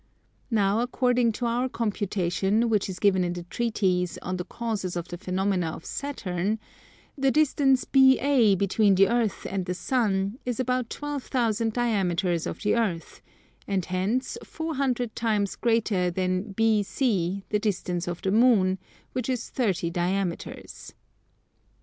Now according to our computation, which is given in the Treatise on the causes of the phenomena of Saturn, the distance BA between the Earth and the Sun is about twelve thousand diameters of the Earth, and hence four hundred times greater than BC the distance of the Moon, which is 30 diameters.